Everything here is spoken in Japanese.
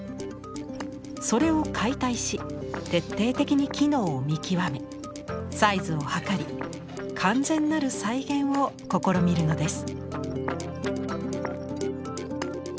それを解体し徹底的に機能を見極めサイズを測り完全なる再現を試みるのです。